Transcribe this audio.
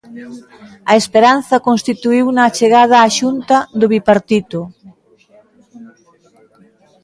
A esperanza constituíuna a chegada á Xunta do bipartito.